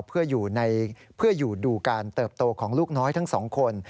เพื่ออยู่ดูการเติบโตของลูกน้อยทั้งสองคน